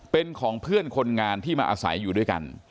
เป็นของเพื่อนคนงานที่มาอาศัยอยู่ด้วยกัน